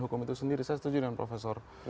hukum itu sendiri saya setuju dengan profesor